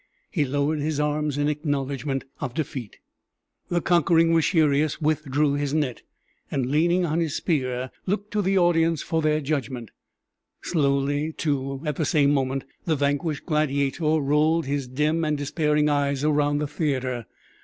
He lowered his arms in acknowledgment of defeat. The conquering retiarius withdrew his net, and leaning on his spear, looked to the audience for their judgment. Slowly, too, at the same moment, the vanquished gladiator rolled his dim and despairing eyes around the theatre.